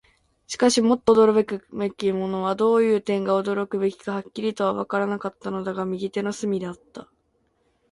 しかし、もっと驚くべきものは、どういう点が驚くべきかははっきりとはわからなかったのだが、右手の隅であった。